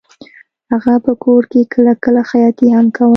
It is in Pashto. هغه په کور کې کله کله خیاطي هم کوله